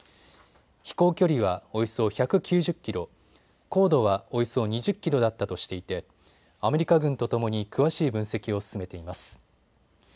飛行距離はおよそ１９０キロ、高度はおよそ２０キロだったとしていてアメリカ軍とともに詳しい分析を進めています。